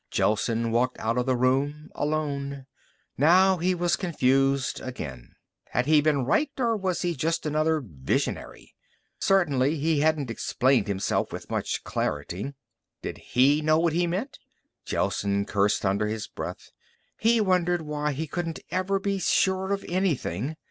Gelsen walked out of the room alone. Now he was confused again. Had he been right or was he just another visionary? Certainly, he hadn't explained himself with much clarity. Did he know what he meant? Gelsen cursed under his breath. He wondered why he couldn't ever be sure of anything.